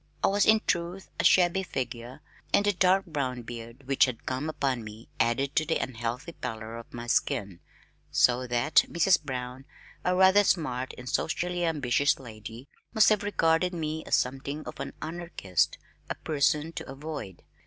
I was in truth a shabby figure, and the dark brown beard which had come upon me added to the unhealthy pallor of my skin, so that Mrs. Brown, a rather smart and socially ambitious lady, must have regarded me as something of an anarchist, a person to avoid.